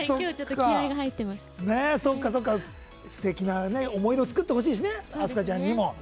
すてきな思い出を作ってほしいですね飛鳥ちゃんにも。